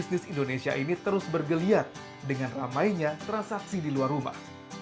bisnis indonesia ini terus bergeliat dengan ramainya transaksi di luar rumah